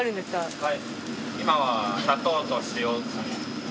はい。